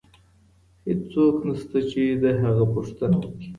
هيڅ څوک نسته چي د هغه پوښتنه وکړي.